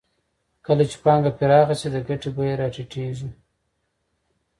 کله چې پانګه پراخه شي د ګټې بیه راټیټېږي